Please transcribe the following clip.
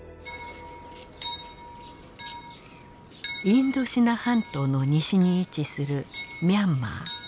インドシナ半島の西に位置するミャンマー。